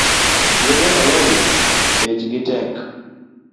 Yedhe malaria bech gi tek